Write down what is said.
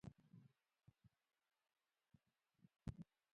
نیکه د ښو خلکو یادونه کوي.